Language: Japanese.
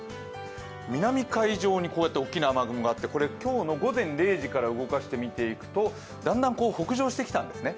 南海上に大きな雨雲があってこれ今日の午前０時から動かして見ていくと、だんだん北上してきたんですね。